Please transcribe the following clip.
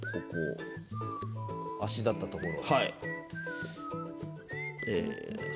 足だったところ。